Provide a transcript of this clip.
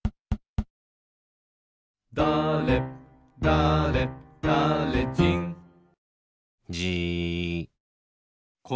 「だれだれだれじん」じーっ。